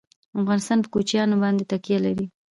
افغانستان په کوچیان باندې تکیه لري.